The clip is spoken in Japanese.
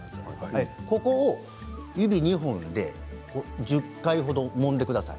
ここを指２本で１０回ほどもんでください。